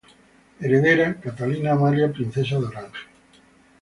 Heredera: Catalina Amalia, princesa de Orange.